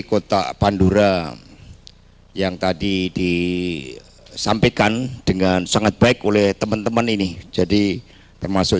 kota pandura yang tadi disampaikan dengan sangat baik oleh teman teman ini jadi termasuk